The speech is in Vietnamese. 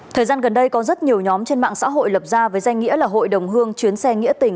thời gian gần đây có rất nhiều nhóm trên mạng xã hội lập ra với danh nghĩa là hội đồng hương chuyến xe nghĩa tình